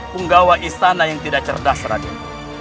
penggawa istana yang tidak cerdas radio